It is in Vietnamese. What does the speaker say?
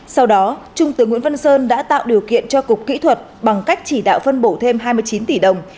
sau đó trung tướng nguyễn văn sơn đã tạo điều kiện cho cục kỹ thuật bằng cách chỉ đạo phân bổ thêm hai mươi chín tỷ đồng